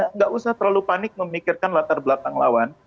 tidak usah terlalu panik memikirkan latar belakang lawan